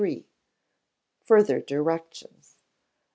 Further Directions.